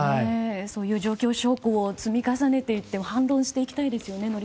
そういう状況証拠を積み重ねていって反論していきたいですよね